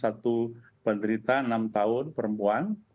satu penderita enam tahun perempuan